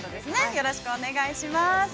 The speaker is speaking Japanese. よろしくお願いします。